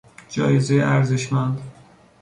جایزهی ارزشمند